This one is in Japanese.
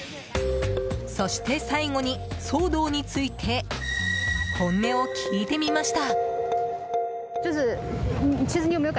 そして最後に騒動について本音を聞いてみました。